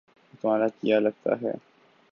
وہ تمہارا کیا لگتا ہے